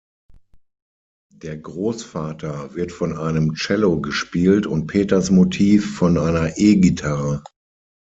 Der Grossvater wird von einem Cello gespielt und Peters Motiv von einer E-Gitarre.